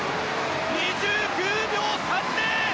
２９秒３０！